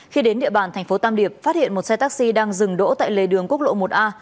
khi đến địa bàn thành phố tam điệp phát hiện một xe taxi đang dừng đỗ tại lề đường quốc lộ một a